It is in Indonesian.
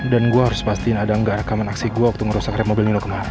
dan gue harus pastiin ada gak rekaman aksi gue waktu ngerosak rem mobil nino kemarin